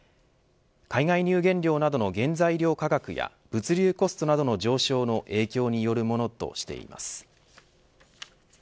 海外乳原料などの原材料価格や物流コストなどの上昇の影響によるものとしています。